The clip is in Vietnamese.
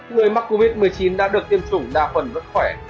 người mắc covid một mươi chín đã được tiêm chủng đa phần vẫn khỏe